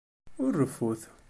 Ur reffut!